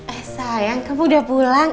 eh sayang kamu udah pulang